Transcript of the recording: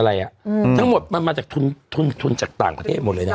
มันมาทั้งหมดมันมาจากทุนอยู่ต่างประเทศทุกขตา